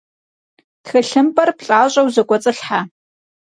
Txılhımp'er plh'aş'eu zek'uets'ılhhe.